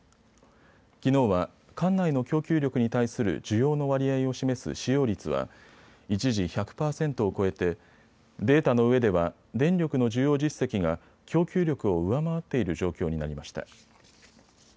きのうは管内の供給力に対する需要の割合を示す使用率は一時、１００％を超えてデータの上では電力の需要実績が供給力を上回っている状況になりました。